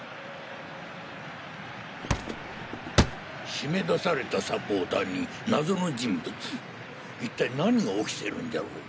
締め出されたサポーターに謎の人物一体何が起きてるんじゃろう？